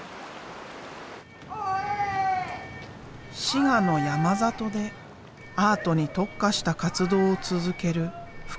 滋賀の山里でアートに特化した活動を続ける福祉施設がある。